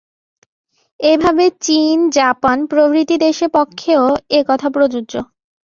এইভাবে চীন জাপান প্রভৃতি দেশের পক্ষেও এ-কথা প্রযোজ্য।